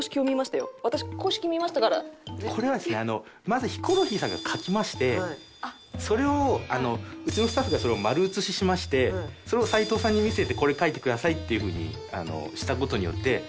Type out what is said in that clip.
まずヒコロヒーさんが書きましてそれをうちのスタッフがそれを丸写ししましてそれを齊藤さんに見せてこれ書いてくださいっていうふうにした事によって。